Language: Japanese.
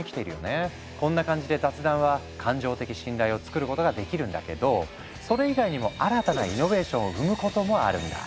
こんな感じで雑談は感情的信頼をつくることができるんだけどそれ以外にも新たなイノベーションを生むこともあるんだ。